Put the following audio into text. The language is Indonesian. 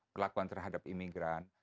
pelakuan terhadap imigran